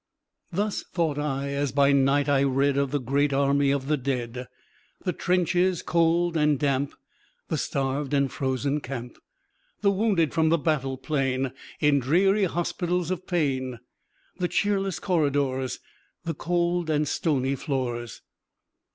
Thus thought I, as by night I read Of the great army of the dead, The trenches cold and damp, The starved and frozen camp, The wounded from the battle plain, In dreary hospitals of pain, The cheerless corridors, The cold and stony floors.